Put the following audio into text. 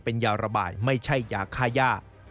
เป็นยาระบายไม่ใช่ยาค่าย่า